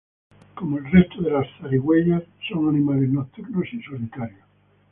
Como el resto de las zarigüeyas, son animales nocturnos y solitarios.